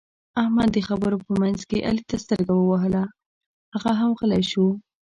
احمد د خبرو په منځ کې علي ته سترګه ووهله؛ هغه هم غلی شو.